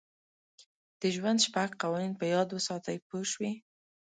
د ژوند شپږ قوانین په یاد وساتئ پوه شوې!.